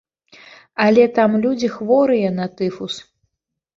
Але там людзі хворыя на тыфус.